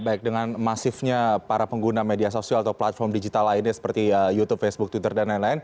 baik dengan masifnya para pengguna media sosial atau platform digital lainnya seperti youtube facebook twitter dan lain lain